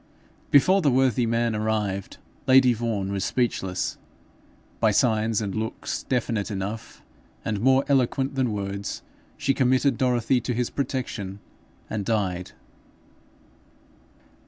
Before the worthy man arrived, lady Vaughan was speechless. By signs and looks, definite enough, and more eloquent than words, she committed Dorothy to his protection, and died.